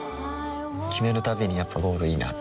決めるたびにやっぱゴールいいなってふん